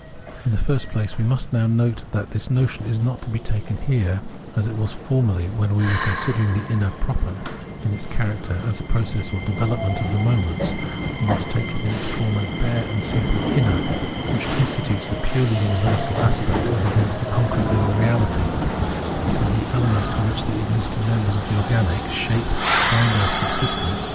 In the first place we must now note that this notion is not to be taken here, as it was formerly when,, we were considering the inner proper, in its character as a process or development of the moments ; we must take it in its form as bare and simple "inner," which constitutes the purely universal aspect as against the concrete Uving reality ; it is the element in which the existing members of the organic shape find their sub Observation of Organic Nature 21 Z sistence.